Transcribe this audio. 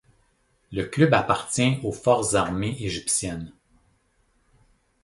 Le club appartient aux forces armées égyptiennes.